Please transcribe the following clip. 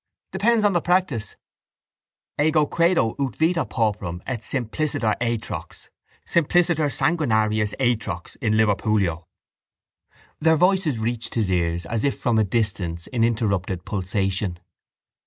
—Depends on the practice. —Ego credo ut vita pauperum est simpliciter atrox, simpliciter sanguinarius atrox, in Liverpoolio. Their voices reached his ears as if from a distance in interrupted pulsation.